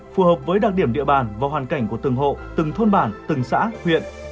phù hợp với đặc điểm địa bàn và hoàn cảnh của từng hộ từng thôn bản từng xã huyện